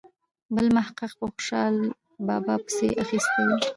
بل محقق په خوشال بابا پسې اخیستې وي.